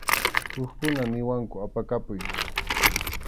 Hukkuna niwanku apakapuy.